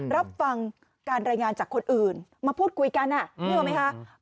รับฟังการรายงานจากคนอื่นมาพูดคุยกันนึกออกไหมคะ